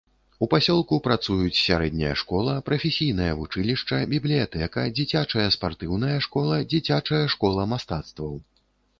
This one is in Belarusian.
У пасёлку працуюць сярэдняя школа, прафесійнае вучылішча, бібліятэка, дзіцячая спартыўная школа, дзіцячая школа мастацтваў.